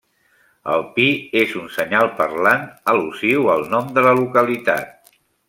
El pi és un senyal parlant al·lusiu al nom de la localitat.